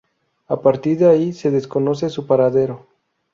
A partir de ahí se desconoce su paradero.